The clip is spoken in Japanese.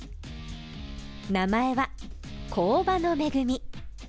名前は、工場の恵み。